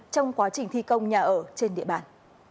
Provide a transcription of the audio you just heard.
trong quá trình thi công nhà ở trên địa bàn